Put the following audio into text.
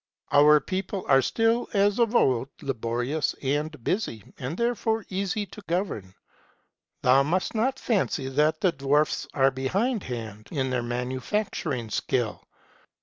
Our people are still, as of old, laborious and busy, and therefore easy to govern. Thou must not fancy that the dwarfs are behindhand in their manufacturing skill.